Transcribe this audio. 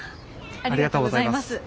ありがとうございます。